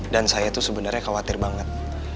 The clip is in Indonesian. dan saya tuh sebenarnya khawatir banget